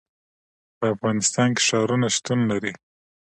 په افغانستان کې ښارونه شتون لري.